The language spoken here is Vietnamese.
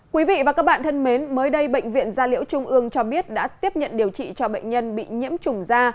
quý vị và các bạn thân mến mới đây bệnh viện gia liễu trung ương cho biết đã tiếp nhận điều trị cho bệnh nhân bị nhiễm trùng da